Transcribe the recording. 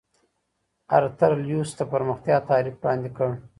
ارتر لیوس د پرمختیا تعریف وړاندې کړ.